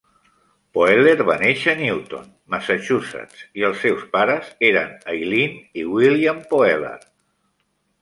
Poehler va néixer a Newton, Massachusetts, i els seus pares eren Eileen i William Poehler.